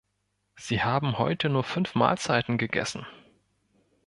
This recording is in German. Sie haben heute nur fünf Mahlzeiten gegessen.